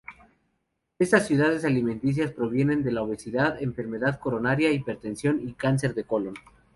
Estas cualidades alimenticias previenen la obesidad, enfermedad coronaria, hipertensión y cáncer de colon.